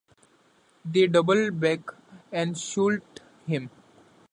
They double back and shoot him.